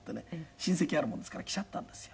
親戚があるもんですから来ちゃったんですよ。